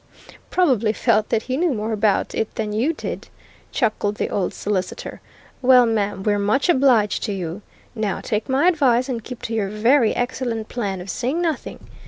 "Probably felt that he knew more about it than you did," chuckled the old solicitor. "Well, ma'am, we're much obliged to you. Now take my advice and keep to your very excellent plan of saying nothing.